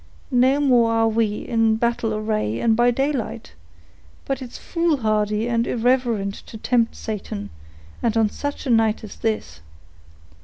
"No more are we, in battle array, and by daylight; but it's foolhardy and irreverent to tempt Satan, and on such a night as this.